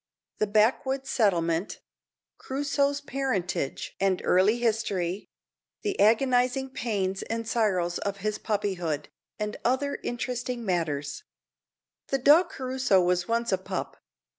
_The backwoods settlement Crusoe's parentage, and early history The agonizing pains and sorrows of his puppyhood, and other interesting matters_. The dog Crusoe was once a pup.